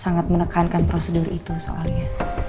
sangat menekankan prosedur itu soalnya